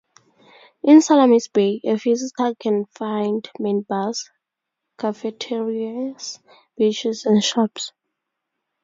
In Salamis Bay, a visitor can find many bars, cafeterias, beaches, and shops.